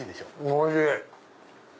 おいしい！